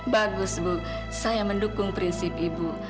bagus bu saya mendukung prinsip ibu